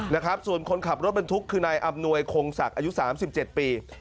นะครับส่วนคนขับรถบรรทุกคือนายอำนวยคงศักดิ์อายุ๓๗ปี